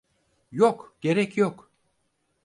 Yok, gerek yok.